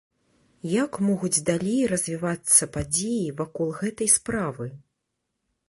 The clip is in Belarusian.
Як могуць далей развівацца падзеі вакол гэтай справы?